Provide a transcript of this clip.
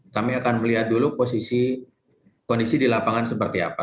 kami akan melihat dulu posisi kondisi di lapangan seperti apa